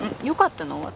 よかったの？